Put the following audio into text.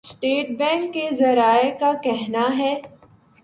state bank کے ذرائع کا کہناہے